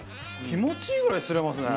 気持ちいいぐらいすれますね。